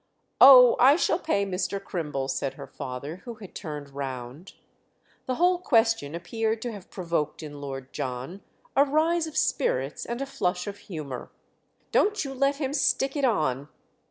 "Oh, I shall pay Mr. Crimble!" said her father, who had turned round. The whole question appeared to have provoked in Lord John a rise of spirits and a flush of humour. "Don't you let him stick it on."